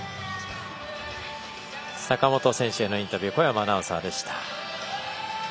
坂本選手へのインタビュー小山アナウンサーでした。